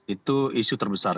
itu isu terbesar